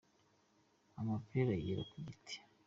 Amapera yera ku giti.